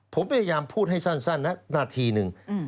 ผมพยายามพูดให้สั้นนะนาทีหนึ่ง